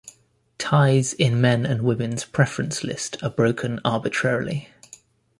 Ties in men and women's preference list are broken arbitrarily.